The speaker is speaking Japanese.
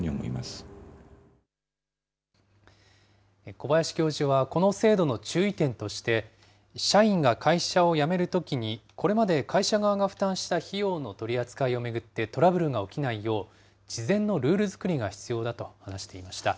小林教授は、この制度の注意点として、社員が会社を辞めるときに、これまで会社側が負担した費用の取り扱いを巡ってトラブルが起きないよう、事前のルール作りが必要だと話していました。